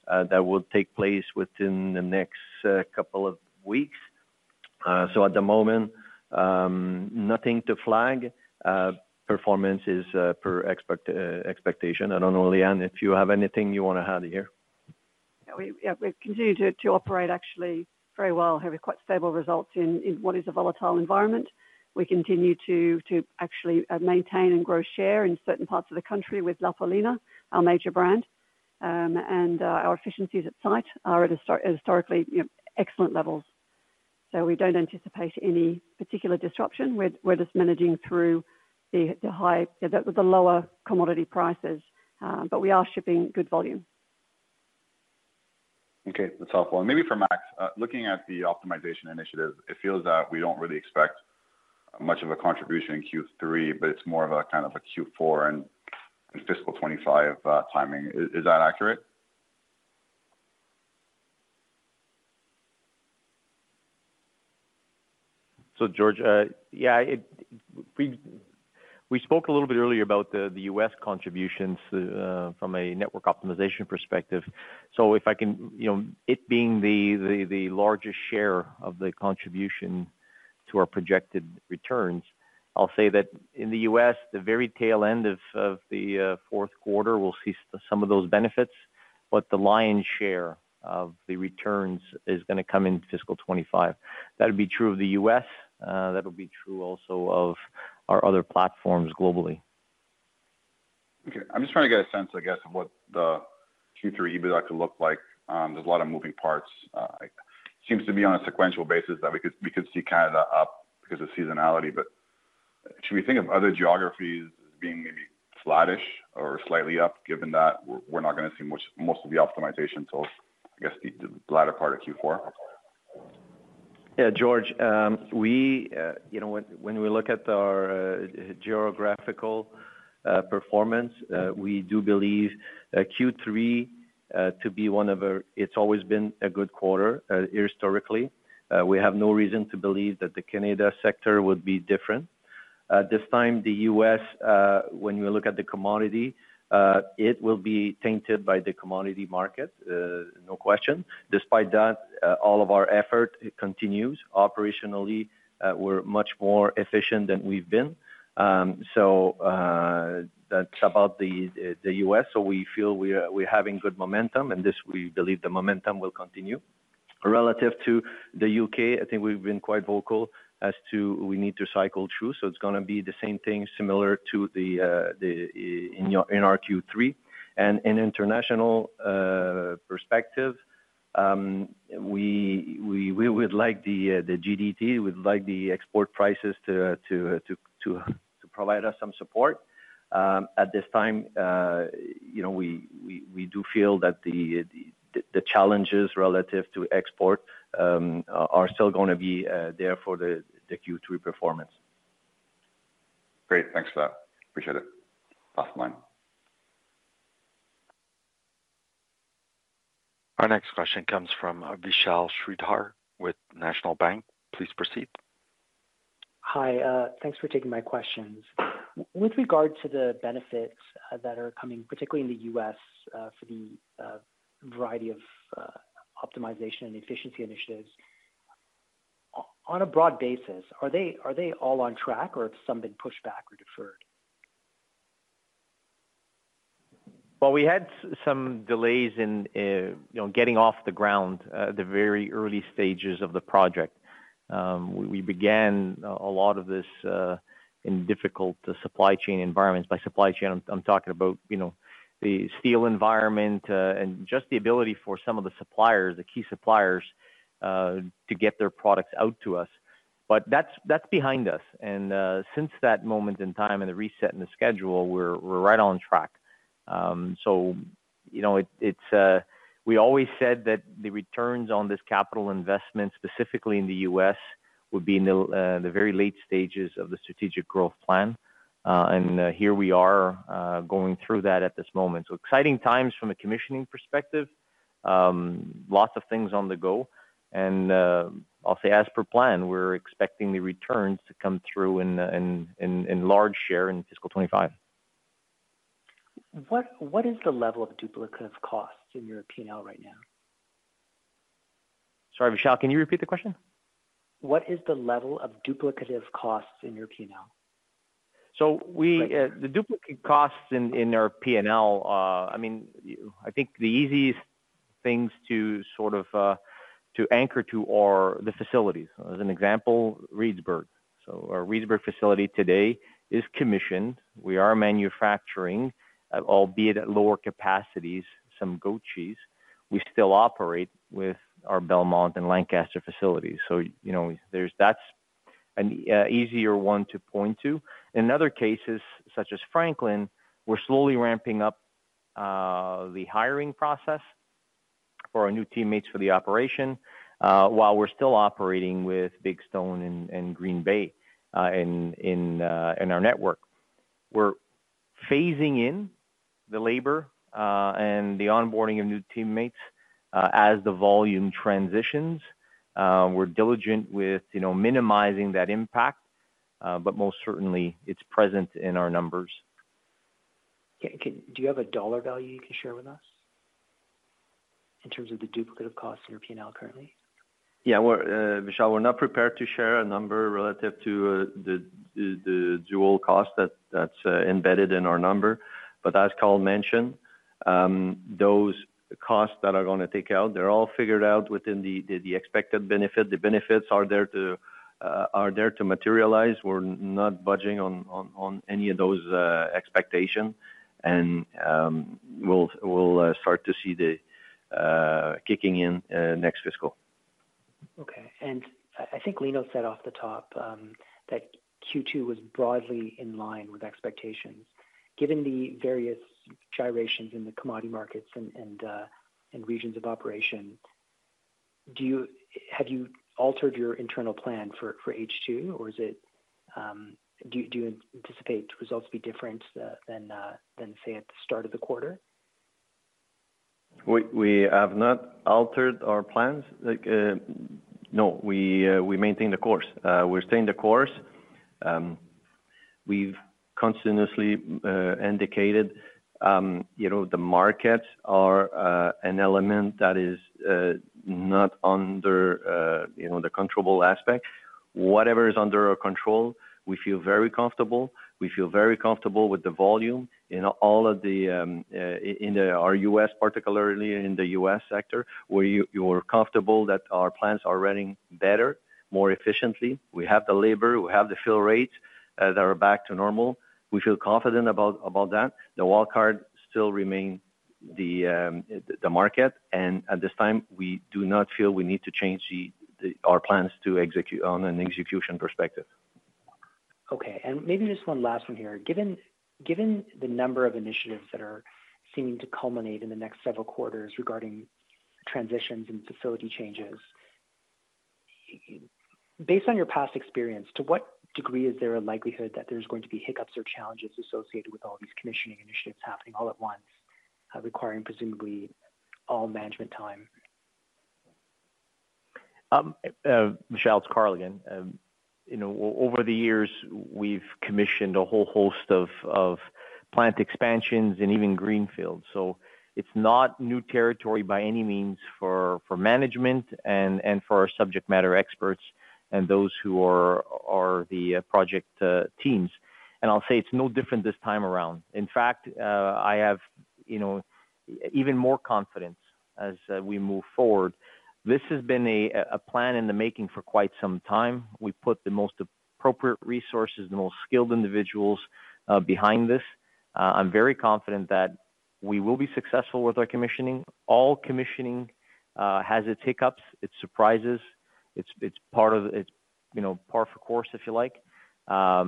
that will take place within the next couple of weeks. So at the moment, nothing to flag. Performance is per expectation. I don't know, Leanne, if you have anything you wanna add here? Yeah, we continue to operate actually very well, having quite stable results in what is a volatile environment. We continue to actually maintain and grow share in certain parts of the country with La Paulina, our major brand. Our efficiencies at site are at historically, you know, excellent levels. So we don't anticipate any particular disruption. We're just managing through the lower commodity prices, but we are shipping good volume. Okay, that's helpful. And maybe for Max, looking at the optimization initiative, it feels that we don't really expect much of a contribution in Q3, but it's more of a kind of a Q4 and fiscal 2025 timing. Is that accurate? So George, we spoke a little bit earlier about the U.S. contributions from a network optimization perspective. So it being the largest share of the contribution to our projected returns, I'll say that in the U.S., the very tail end of the fourth quarter, we'll see some of those benefits, but the lion's share of the returns is gonna come in fiscal 2025. That'll be true of the U.S., that'll be true also of our other platforms globally. Okay. I'm just trying to get a sense, I guess, of what the Q3 EBITDA could look like. There's a lot of moving parts. It seems to be on a sequential basis that we could, we could see Canada up because of seasonality, but should we think of other geographies as being maybe flattish or slightly up, given that we're, we're not gonna see much most of the optimization till, I guess, the, the latter part of Q4? Yeah, George, we, you know, when, when we look at our geographical performance, we do believe Q3 to be one of our... It's always been a good quarter, historically. We have no reason to believe that the Canada sector would be different. This time, the U.S., when you look at the commodity, it will be tainted by the commodity market, no question. Despite that, all of our effort continues. Operationally, we're much more efficient than we've been. So, that's about the U.S.. So we feel we are, we're having good momentum, and this, we believe the momentum will continue. Relative to the U.K., I think we've been quite vocal as to we need to cycle through, so it's gonna be the same thing, similar to the in your, in our Q3. And in International perspective, we would like the GDT, we'd like the export prices to provide us some support. At this time, you know, we do feel that the challenges relative to export are still gonna be there for the Q3 performance. Great. Thanks for that. Appreciate it. Last line. Our next question comes from Vishal Shreedhar with National Bank. Please proceed. Hi, thanks for taking my questions. With regard to the benefits that are coming, particularly in the U.S., for the variety of optimization and efficiency initiatives, on a broad basis, are they all on track or have some been pushed back or deferred? Well, we had some delays in, you know, getting off the ground, the very early stages of the project. We began a lot of this in difficult supply chain environments. By supply chain, I'm talking about, you know, the steel environment, and just the ability for some of the suppliers, the key suppliers, to get their products out to us. But that's behind us, and since that moment in time and the reset in the schedule, we're right on track. So you know, it's, we always said that the returns on this capital investment, specifically in the U.S., would be in the, the very late stages of the strategic growth plan. And here we are, going through that at this moment. So exciting times from a commissioning perspective. Lots of things on the go. I'll say as per plan, we're expecting the returns to come through in large share in fiscal 2025. What, what is the level of duplicative costs in your P&L right now? Sorry, Vishal, can you repeat the question? What is the level of duplicative costs in your P&L? So we- Uh. The duplicate costs in our P&L, I mean, I think the easiest things to sort of to anchor to are the facilities. As an example, Reedsburg. So our Reedsburg facility today is commissioned. We are manufacturing, albeit at lower capacities, some goat cheese. We still operate with our Belmont and Lancaster facilities. So, you that's an easier one to point to. In other cases, such as Franklin, we're slowly ramping up the hiring process for our new teammates for the operation while we're still operating with Big Stone and Green Bay in our network. We're phasing in the labor and the onboarding of new teammates as the volume transitions. We're diligent with, you know, minimizing that impact, but most certainly it's present in our numbers. Okay, do you have a dollar value you can share with us in terms of the duplicative costs in your P&L currently? Yeah, we're, Vishal, we're not prepared to share a number relative to the dual cost that's embedded in our number. But as Carl mentioned, those costs that are gonna take out, they're all figured out within the expected benefit. The benefits are there to materialize. We're not budging on any of those expectations. And, we'll start to see the kicking in next fiscal. Okay. And I think Lino said off the top that Q2 was broadly in line with expectations. Given the various gyrations in the commodity markets and regions of operation, have you altered your internal plan for H2, or is it? Do you anticipate results to be different than say at the start of the quarter? We have not altered our plans. Like, no, we maintain the course. We're staying the course. We've continuously indicated, you know, the markets are an element that is not under, you know, the controllable aspect. Whatever is under our control, we feel very comfortable. We feel very comfortable with the volume in all of our U.S., particularly in the U.S. sector, where you're comfortable that our plants are running better, more efficiently. We have the labor, we have the fill rates that are back to normal. We feel confident about that. The wild card still remain the market, and at this time, we do not feel we need to change our plans to execute on an execution perspective. Okay, and maybe just one last one here. Given the number of initiatives that are seeming to culminate in the next several quarters regarding transitions and facility changes, based on your past experience, to what degree is there a likelihood that there's going to be hiccups or challenges associated with all these commissioning initiatives happening all at once, requiring presumably all management time? Vishal, it's Carl again. You know, over the years, we've commissioned a whole host of plant expansions and even greenfields. So it's not new territory by any means for management and for our subject matter experts and those who are the project teams. And I'll say it's no different this time around. In fact, I have, you know, even more confidence as we move forward. This has been a plan in the making for quite some time. We put the most appropriate resources, the most skilled individuals behind this. I'm very confident that we will be successful with our commissioning. All commissioning has its hiccups, its surprises, it's part of it, you know, par for the course, if you like. I'll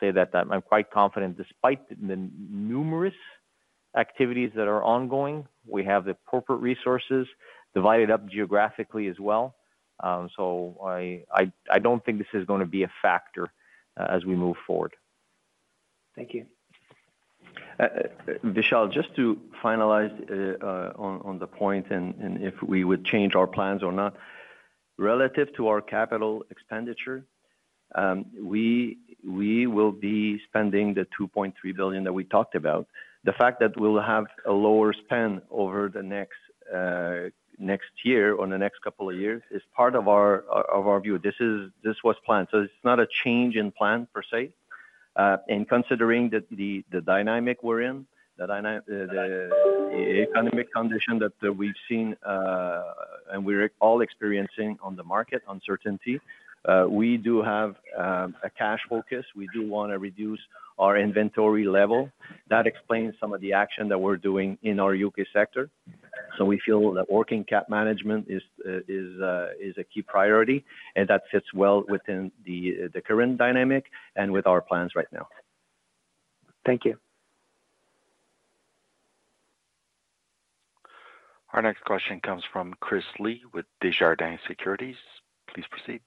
say that I'm quite confident, despite the numerous activities that are ongoing, we have the appropriate resources divided up geographically as well. I don't think this is gonna be a factor, as we move forward. Thank you. Vishal, just to finalize, on the point and if we would change our plans or not. Relative to our capital expenditure, we will be spending the 2.3 billion that we talked about. The fact that we'll have a lower spend over the next year or the next couple of years is part of our view. This was planned, so it's not a change in plan per se. And considering that the dynamic we're in, the economic condition that we've seen, and we're all experiencing on the market uncertainty, we do have a cash focus. We do want to reduce our inventory level. That explains some of the action that we're doing in our U.K. sector. So we feel that working cap management is a key priority, and that fits well within the current dynamic and with our plans right now. Thank you. Our next question comes from Chris Li with Desjardins Securities. Please proceed.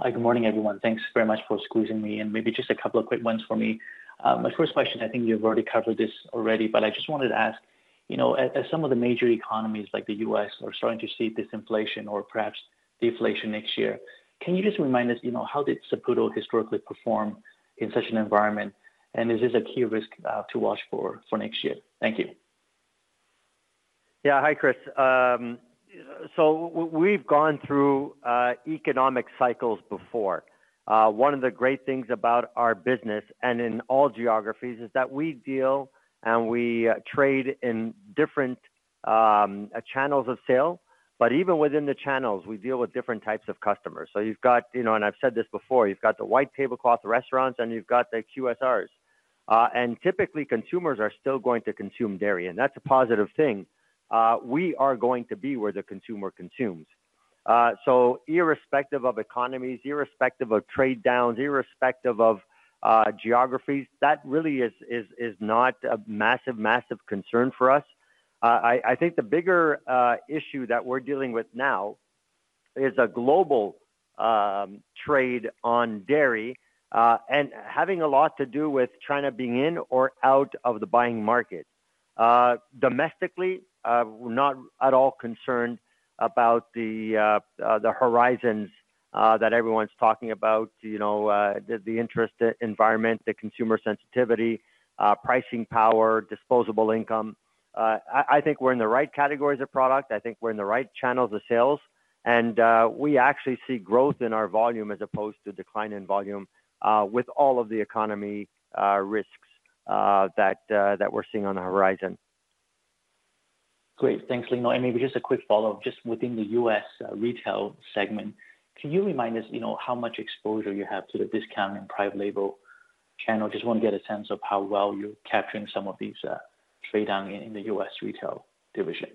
Hi, good morning, everyone. Thanks very much for squeezing me in. Maybe just a couple of quick ones for me. My first question, I think you've already covered this, but I just wanted to ask, you know, as some of the major economies like the U.S. are starting to see disinflation or perhaps deflation next year, can you just remind us, you know, how did Saputo historically perform in such an environment? And is this a key risk to watch for next year? Thank you. Yeah. Hi, Chris. So we've gone through economic cycles before. One of the great things about our business and in all geographies, is that we deal and we trade in different channels of sale, but even within the channels, we deal with different types of customers. So you've got, you know, and I've said this before, you've got the white tablecloth restaurants, and you've got the QSRs. And typically, consumers are still going to consume dairy, and that's a positive thing. We are going to be where the consumer consumes. So irrespective of economies, irrespective of trade downs, irrespective of geographies, that really is not a massive, massive concern for us. I think the bigger issue that we're dealing with now is a global trade on dairy, and having a lot to do with China being in or out of the buying market. Domestically, we're not at all concerned about the horizons that everyone's talking about, you know, the interest environment, the consumer sensitivity, pricing power, disposable income. I think we're in the right categories of product. I think we're in the right channels of sales, and we actually see growth in our volume as opposed to decline in volume, with all of the economy risks that we're seeing on the horizon. Great. Thanks, Lino. And maybe just a quick follow-up. Just within the U.S., retail segment, can you remind us, you know, how much exposure you have to the discount and private label channel? Just wanna get a sense of how well you're capturing some of these, trade down in the U.S. retail division.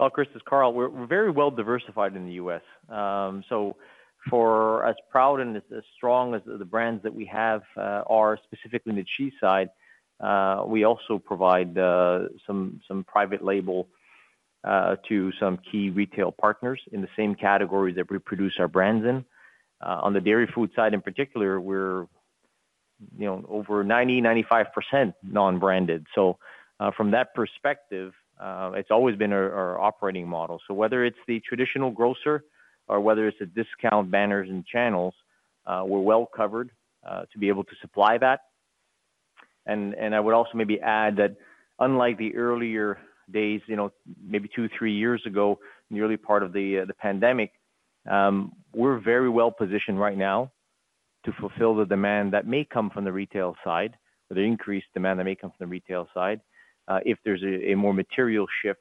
Well, Chris, this is Carl. We're very well diversified in the U.S. So for as proud and as strong as the brands that we have are, specifically in the cheese side, we also provide some private label to some key retail partners in the same categories that we produce our brands in. On the dairy food side, in particular, we're, you know, over 95% non-branded. So from that perspective, it's always been our operating model. So whether it's the traditional grocer or whether it's the discount banners and channels, we're well covered to be able to supply that. I would also maybe add that unlike the earlier days, you know, maybe two, three years ago, nearly part of the pandemic, we're very well positioned right now to fulfill the demand that may come from the retail side, or the increased demand that may come from the retail side, if there's a more material shift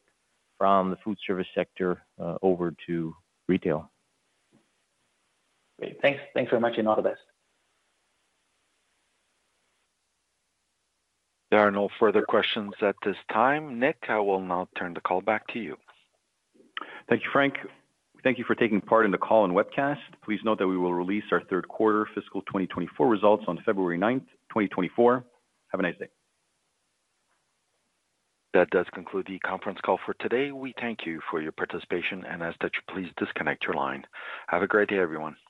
from the foodservice sector, over to retail. Great. Thanks. Thanks very much, and all the best. There are no further questions at this time. Nick, I will now turn the call back to you. Thank you, Frank. Thank you for taking part in the call and webcast. Please note that we will release our third quarter fiscal 2024 results on February 9, 2024. Have a nice day. That does conclude the conference call for today. We thank you for your participation, and as such, please disconnect your line. Have a great day, everyone.